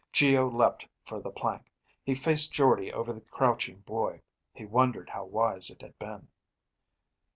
Geo leapt for the plank. He faced Jordde over the crouching boy, he wondered how wise it had been.